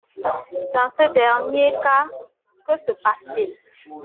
Dans ce dernier cas, que se passe-t-il?